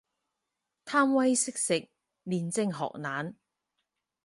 貪威識食，練精學懶